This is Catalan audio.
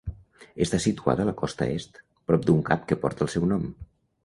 Està situada a la costa est, prop d'un cap que porta el seu nom.